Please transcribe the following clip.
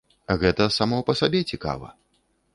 Гэта само па сабе цікава.